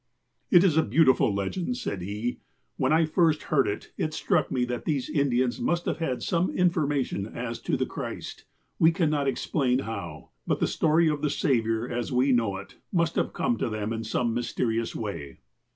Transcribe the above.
"It is a beautiful legend," said he. "When I first heard it, it struck me that these Indians must have had some information as to the Christ. We cannot explain how. But the story of the Saviour, as we know it, must have come to them in some mysterious way."